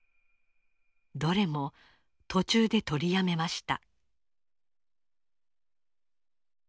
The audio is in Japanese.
どれも途中で取りやめました。